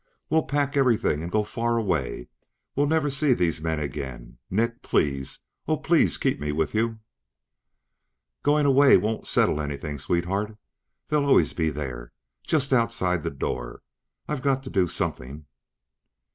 "We'll pack everything and go far away, where we'll never see these men again. Nick. Please. Oh, please keep me with you." "Going away won't settle anything, sweetheart. They'll always be there, just outside the door. I've got to do something..."